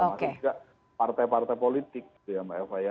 termasuk juga partai partai politik gitu ya mbak eva ya